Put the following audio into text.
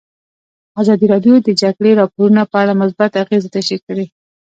ازادي راډیو د د جګړې راپورونه په اړه مثبت اغېزې تشریح کړي.